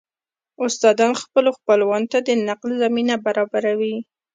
استادان خپلو خپلوانو ته د نقل زمينه برابروي